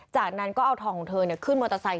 มันอังอย่างใหญ่มาก